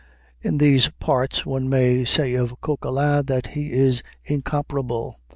In these parts one may say of Coquelin that he is incomparable.